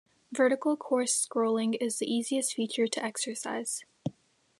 Vertical coarse scrolling is the easiest feature to exercise.